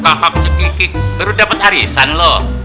dekat dekat sekiki baru dapat harisan loh